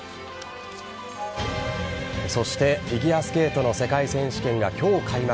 そしてフィギュアスケートの世界選手権が今日開幕。